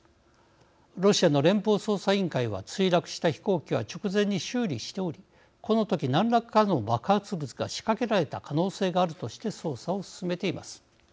ロシアの連邦捜査委員会は墜落した飛行機は直前に修理しておりこの時、何らかの爆発物が仕掛けられた可能性があるとして捜査を進めています。